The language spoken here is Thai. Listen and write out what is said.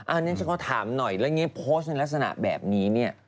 อันนี้ฉันขอถามหน่อยโพสต์ในลักษณะแบบนี้